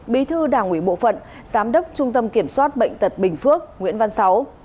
bí thư đảng ubktnb giám đốc trung tâm kiểm soát bệnh tật bình phước nguyễn văn sáu